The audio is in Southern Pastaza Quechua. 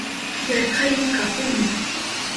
Yarkaymi kahuni